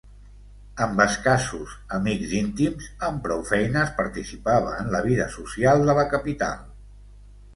Amb escassos amics íntims, amb prou feines participava en la vida social de la capital.